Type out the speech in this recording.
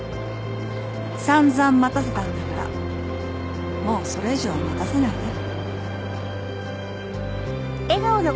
さんざん待たせたんだからもうそれ以上は待たせないで。